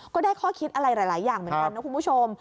ก็ได้ข้อคิดอะไรหลายอย่างเหมือนกันนะคุณผู้ชม